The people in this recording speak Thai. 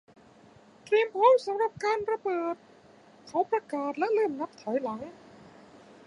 เตรียมพร้อมสำหรับการระเบิดเขาประกาศและเริ่มนับถอยหลัง